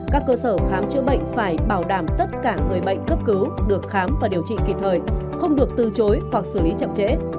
các cơ sở khám chữa bệnh phải bảo đảm tất cả người bệnh cấp cứu được khám và điều trị kịp thời không được từ chối hoặc xử lý chậm trễ